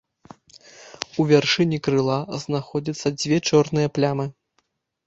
У вяршыні крыла знаходзяцца дзве чорныя плямы.